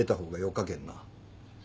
かけんな。